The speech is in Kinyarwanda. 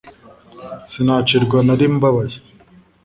Sinacirwa nari mbabaye